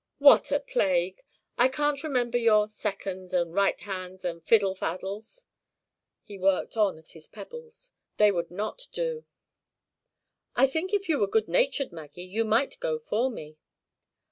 "What a plague! I can't remember your 'seconds,' and 'right hands,' and fiddle faddles." He worked on at his pebbles. They would not do. "I think if you were good natured, Maggie, you might go for me."